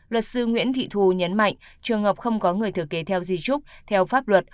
luật sư nguyễn thị thù nhấn mạnh trường hợp không có người thừa kế theo di trúc theo pháp luật